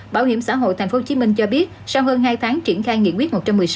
bảo hiểm xã hội tp hcm cho biết sau hơn hai tháng triển khai nghị quyết một trăm một mươi sáu